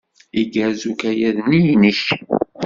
Igerrez ukayad-nni-inek?